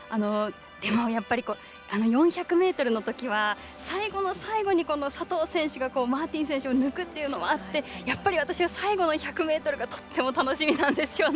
４００ｍのときは最後の最後に佐藤選手がマーティン選手を抜くっていうのがあってやっぱり私は最後の１００ｍがとても楽しみなんですよね。